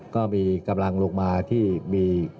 ก็มีกำลังลงมาที่มี